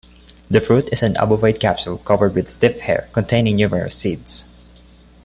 The fruit is an obovoid capsule covered with stiff hairs, containing numerous seeds.